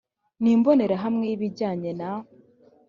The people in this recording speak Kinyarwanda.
n imbonerahamwe y ibijyanye na